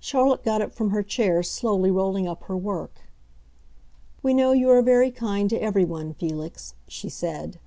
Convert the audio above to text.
Charlotte got up from her chair slowly rolling up her work. "We know you are very kind to everyone, Felix," she said.